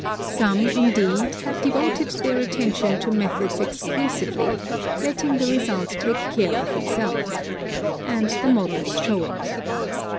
Some, indeed, have devoted their attention to methods exclusively, letting the result take care of itself, — and the models show it.